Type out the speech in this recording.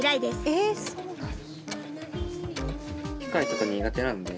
えっそうなの。